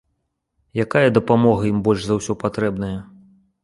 Якая дапамога ім больш за ўсё патрэбная?